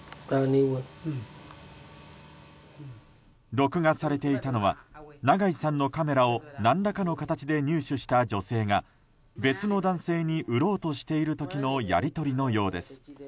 録画されていたのは長井さんのカメラを何らかの形で入手した女性が別の男性に売ろうとしている時のやり取りのようです。